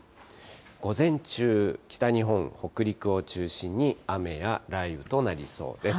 午前中、北日本、北陸を中心に雨や雷雨となりそうです。